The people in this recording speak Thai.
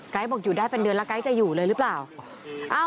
บอกอยู่ได้เป็นเดือนแล้วไกด์จะอยู่เลยหรือเปล่า